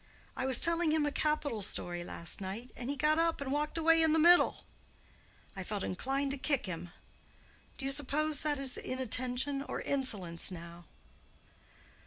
I was telling him a capital story last night, and he got up and walked away in the middle. I felt inclined to kick him. Do you suppose that is inattention or insolence, now?"